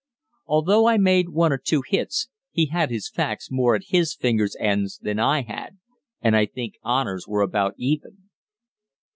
Although I made one or two hits, he had his facts more at his fingers' ends than I had, and I think honors were about even!